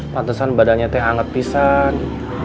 pantesan badannya teh anget pisang